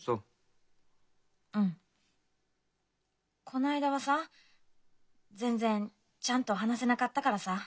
こないだはさぁ全然ちゃんと話せなかったからさぁ。